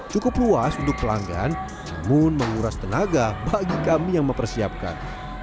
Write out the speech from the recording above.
cukup luas untuk pelanggan namun menguras tenaga bagi kami yang mempersiapkan